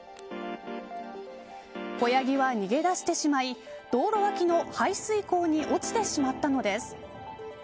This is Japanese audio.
子ヤギは逃げ出してしまい道路脇の排水溝に落ちてしまったのです。